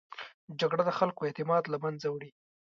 جګړه د خلکو اعتماد له منځه وړي